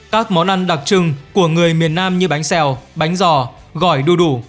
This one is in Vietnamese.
các món ăn đặc trưng của người miền nam như bánh xèo bánh giò gỏi đu đủ